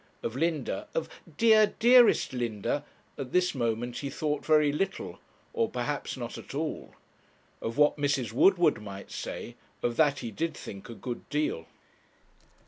Of Linda, of 'dear, dearest Linda,' at this moment he thought very little, or, perhaps, not at all. Of what Mrs. Woodward might say, of that he did think a good deal.